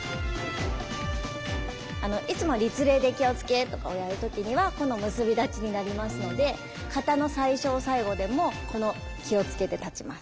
いつも立礼で気をつけとかをやる時にはこの結び立ちになりますので形の最初最後でもこの気をつけで立ちます。